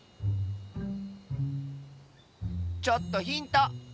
ちょっとヒント。